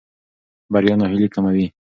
بریا ناهیلي کموي.